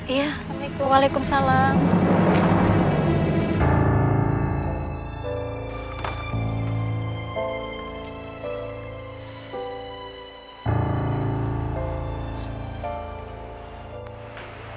iya wa'alaikum salam